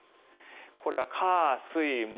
これは火水木